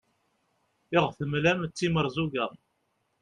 i aɣ-temlam d timerẓuga